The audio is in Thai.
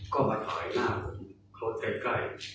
ก็มาถ่ายหน้าผมเขาใกล้